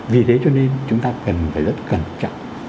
vì thế cho nên chúng ta cần phải rất cẩn trọng